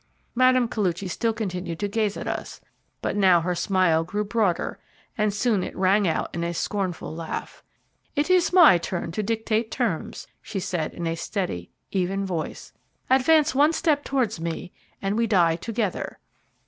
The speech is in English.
Mme. Koluchy still continued to gaze at us, but now her smile grew broader, and soon it rang out in a scornful laugh. "It is my turn to dictate terms," she said, in a steady, even voice. "Advance one step towards me, and we die together.